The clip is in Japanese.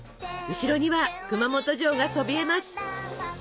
後ろには熊本城がそびえます！